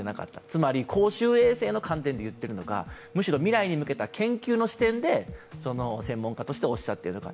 つまり公衆衛生の観点で言っているのか、むしろ未来の、研究の視点で専門家としておっしゃっているのか。